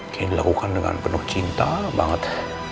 kayak dilakukan dengan penuh cinta banget